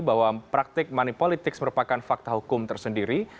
bahwa praktik manipolitik merupakan fakta hukum tersendiri